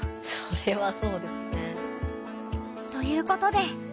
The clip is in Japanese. それはそうですね。ということで。